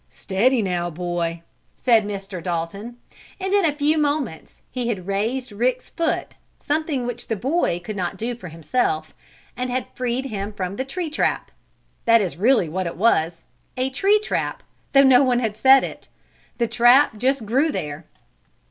"Steady now, boy!" said Mr. Dalton, and, in a few moments he had raised Rick's foot, something which the boy could not do for himself, and had freed him from the tree trap. That is really what it was, a tree trap, though no one had set it. The trap just grew there.